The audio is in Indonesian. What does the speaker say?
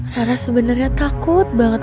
rara sebenernya takut banget